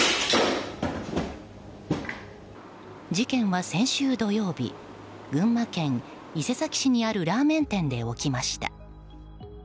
事件は先週土曜日群馬県伊勢崎市にあるラーメン店で起きました。